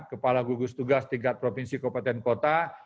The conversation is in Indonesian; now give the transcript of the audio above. kepala gugus tugas tingkat provinsi kabupaten kota